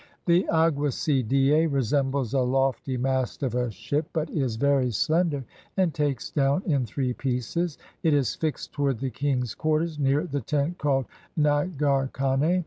The aguacy die resembles a lofty mast of a ship, but is ver} slender, and takes do ^Ti in three pieces. It is fixed toward the king's quarters, near the tent called nagar kane.